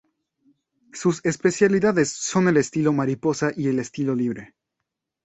Sus especialidades son el estilo mariposa y el estilo libre.